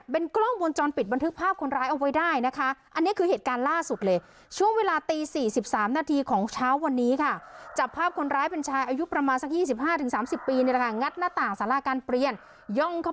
เป็นกล้องวนจรปิดบันทึกภาพคนร้ายเอาไว้ได้นะคะ